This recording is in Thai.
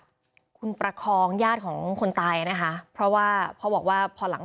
คุณประคองญาติของคนตายนะคะเพราะว่าเขาบอกว่าพอหลัง